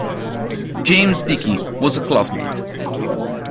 James Dickey was a classmate.